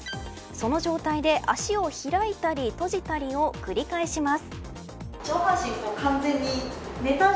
その状態で足を開いたり閉じたりを繰り返します。